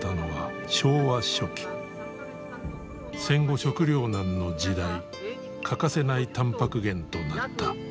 戦後食糧難の時代欠かせないタンパク源となった。